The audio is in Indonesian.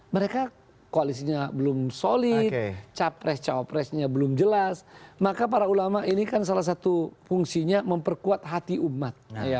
mereka koalisinya belum solid capres cawapresnya belum jelas maka para ulama ini kan salah satu fungsinya memperkuat hati umat